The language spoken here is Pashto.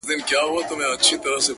صبر چي تا د ژوند؛ د هر اړخ استاده کړمه؛